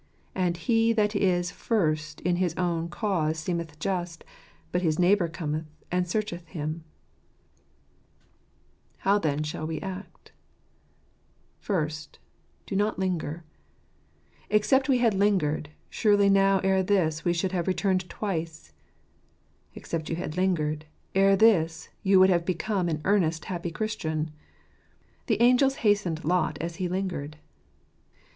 And " he that is first in his own cause seemeth just ; but his neighbour cometh and searcheth him," How then shall we act ? First, Do not linger ." Except we had lingered, surely now ere this we should have returned twice." Except you had lingered, ere this you would have become an earnest, happy Christian. " The angels hastened Lot as he lingered."